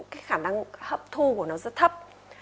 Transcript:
cái khả năng hấp thu của nó rất thấp